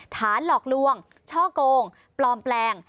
ฐานหลอกลวงช่อกงปลอมแปลง